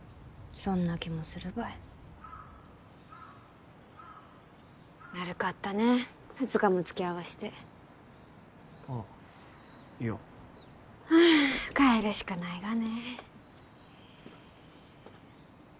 そんな気もするばい悪かったね二日も付き合わしてあっいやはあ帰るしかないがね